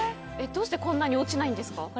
どうしてこんなに落ちないんですか？